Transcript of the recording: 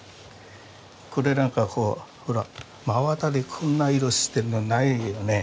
これなんかほら真綿でこんな色してるのないよね。